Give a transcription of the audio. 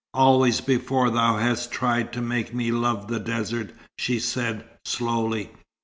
"Always before thou hast tried to make me love the desert," she said, slowly.